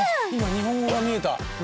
日本語が見えた！